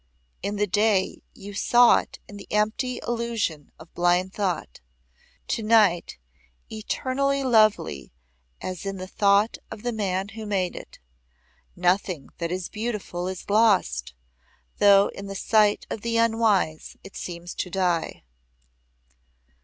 "In the day you saw it in the empty illusion of blind thought. Tonight, eternally lovely as in the thought of the man who made it. Nothing that is beautiful is lost, though in the sight of the unwise it seems to die.